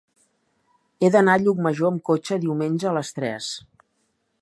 He d'anar a Llucmajor amb cotxe diumenge a les tres.